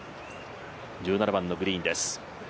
１７番のグリーンです。